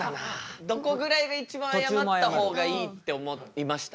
どこぐらいが一番あやまった方がいいって思いました？